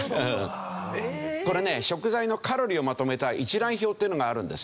これね食材のカロリーをまとめた一覧表っていうのがあるんですよ。